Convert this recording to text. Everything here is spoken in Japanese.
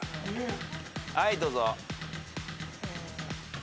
はいどうぞ。